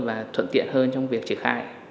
và thuận tiện hơn trong việc triển khai